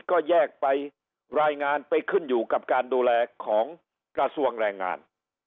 ก็แยกไปรายงานไปขึ้นอยู่กับการดูแลของกระทรวงแรงงาน